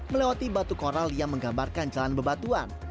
melewati batu koral yang menggambarkan jalan bebatuan